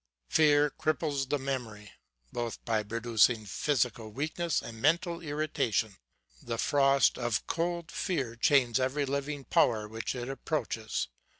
Fear cripples the memory, both by pro ducing physical weakness and mental irritation ; the frost of cold fear chains every living power which it approach es.